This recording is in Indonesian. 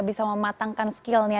bisa mematangkan skillnya